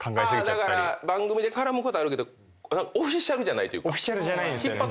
番組で絡むことあるけどオフィシャルじゃないというか。